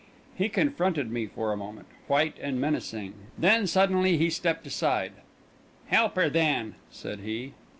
He confronted me for a moment, white and menacing; then suddenly he stepped aside. "Help her then," said he.